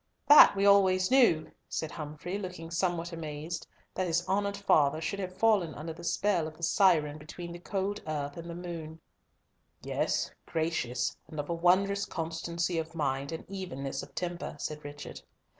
"That we always knew," said Humfrey, looking somewhat amazed, that his honoured father should have fallen under the spell of the "siren between the cold earth and moon." "Yes, gracious, and of a wondrous constancy of mind, and evenness of temper," said Richard.